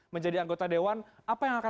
menjadi anggota dewan apa yang akan